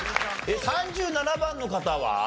３７番の方は？